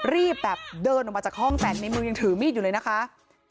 รีบแบบเดินออกมาจากห้องแต่ในมือยังถือมีดอยู่เลยนะคะ